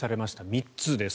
３つです。